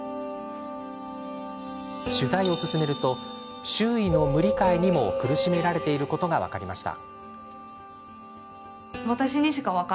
取材を進めると周囲の無理解にも苦しめられていることが分かりました。